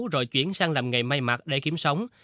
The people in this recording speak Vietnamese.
rồi chuyển sang làm nghề may mặt để kiếm sống